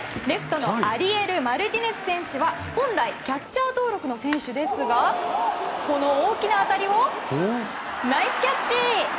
レフトのアリエル・マルティネス選手は本来キャッチャー登録の選手ですがこの大きな当たりをナイスキャッチ。